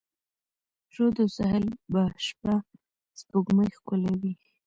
رود او ساحل به شپه، سپوږمۍ ښکلوي